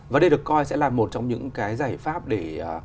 và đây được coi sẽ là một trong những cái giải pháp để